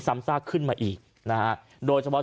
ซ้ำซากขึ้นมาอีกนะฮะโดยเฉพาะ